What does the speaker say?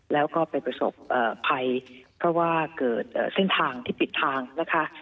แล้วก็ไปประสบภัยเพราะว่าเกิดเส้นทางที่ปิดทางนะคะ